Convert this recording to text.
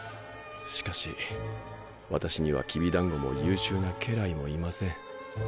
しかし私にはきび団子も優秀な家来もいません。